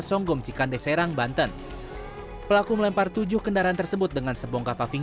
songgom cikandeserang banten pelaku melempar tujuh kendaraan tersebut dengan sebongka paving